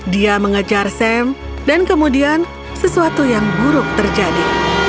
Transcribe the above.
dia mengejar sam dan kemudian sesuatu yang buruk terjadi